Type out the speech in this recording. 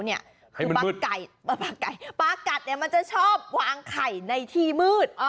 ให้มันมืดปลากัดปลากัดมันจะชอบวางไข่ในที่มืด